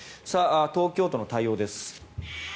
東京都の対応です。